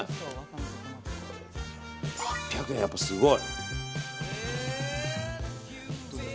８００円、やっぱりすごい。